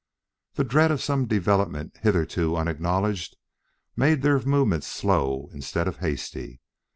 The dread of some development hitherto unacknowledged made their movements slow instead of hasty.